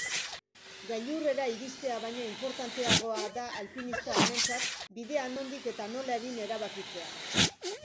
Gailurrera iristea baino inportanteagoa da alpinista honentzat bidea nondik eta nola egin erabakitzea.